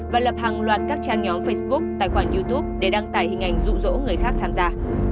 và lập hàng loạt các trang nhóm facebook tài khoản youtube để đăng tải hình ảnh rụ rỗ người khác tham gia